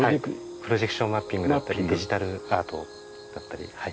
プロジェクションマッピングだったりデジタルアートだったりはい。